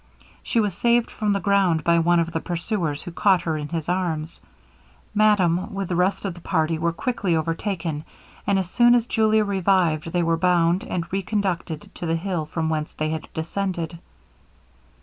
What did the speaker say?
She was saved from the ground by one of the pursuers, who caught her in his arms. Madame, with the rest of the party, were quickly overtaken; and as soon as Julia revived, they were bound, and reconducted to the hill from whence they had descended.